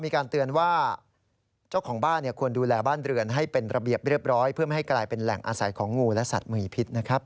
มีการเตือนว่าเจ้าของบ้านควรดูแลบ้านเรือนให้เป็นระเบียบเรียบร้อยเพื่อไม่ให้กลายเป็นแหล่งอาศัยของงูและสัตว์มีพิษนะครับ